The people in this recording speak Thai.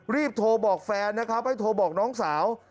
รีบโทรบอกแฟนนะครับให้โทรบอกน้องสาว